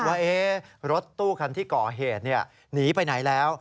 ว่ารถตู้คันที่ก่อเหตุหนีไปไหนแล้ว